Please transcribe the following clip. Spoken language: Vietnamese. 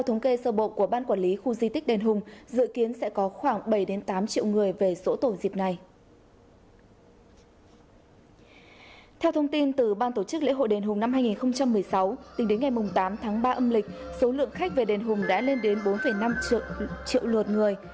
theo thông tin từ ban tổ chức lễ hội đền hùng năm hai nghìn một mươi sáu tính đến ngày tám tháng ba âm lịch số lượng khách về đền hùng đã lên đến bốn năm triệu lượt người